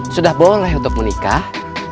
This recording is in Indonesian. sudah boleh untuk menikah